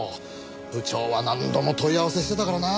部長は何度も問い合わせしてたからな。